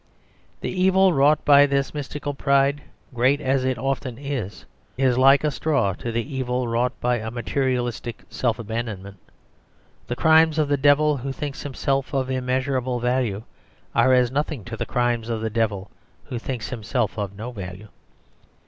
The evil wrought by this mystical pride, great as it often is, is like a straw to the evil wrought by a materialistic self abandonment. The crimes of the devil who thinks himself of immeasurable value are as nothing to the crimes of the devil who thinks himself of no value.